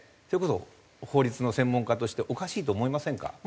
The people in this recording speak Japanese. それこそ法律の専門家としておかしいと思いませんか？